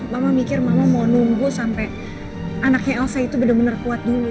mama mikir mama mau nunggu sampai anaknya elsa itu benar benar kuat dulu